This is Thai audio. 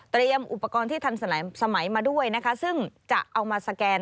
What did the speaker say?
เตรียมอุปกรณ์ที่ทันสมัยมาด้วยซึ่งจะเอามาสแกน